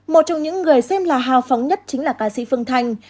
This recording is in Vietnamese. một trong những người xem là hào phóng nhất chính là ca sĩ phương thanh